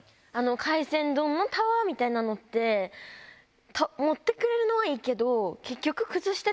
海鮮丼のタワーみたいなのって盛ってくれるのはいいけど。